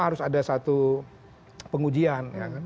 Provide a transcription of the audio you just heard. harus ada satu pengujian